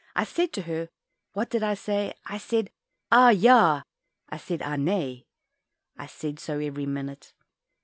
I said to her what did I say? I said "ah! ja," I said "ah! nay," And said so every minute.